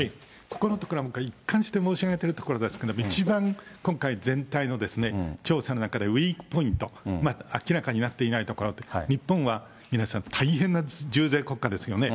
ここのところは一貫して申し上げてるところですから、一番今回、全体の調査の中でウィークポイント、明らかになっていないところ、日本は皆さん、大変な重税国家ですよね。